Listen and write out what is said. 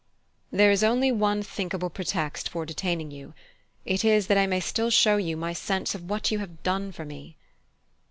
"There is only one thinkable pretext for detaining you: it is that I may still show my sense of what you have done for me."